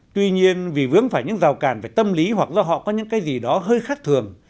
tuy nhiên vì vướng phải những rào cản về tâm lý hoặc do họ có những cái gì đó hơi khắc thường